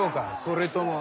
それとも。